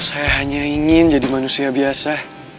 saya hanya ingin jadi manusia biasa